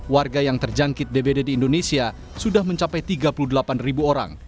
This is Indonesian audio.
warga yang terjangkit dbd di indonesia sudah mencapai tiga puluh delapan ribu orang